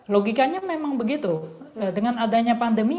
logikanya memang begitu dengan adanya pandemi